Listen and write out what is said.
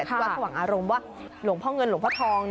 ที่วัดสว่างอารมณ์ว่าหลวงพ่อเงินหลวงพ่อทอง